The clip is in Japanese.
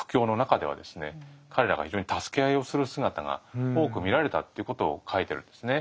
彼らが非常に助け合いをする姿が多く見られたっていうことを書いてるんですね。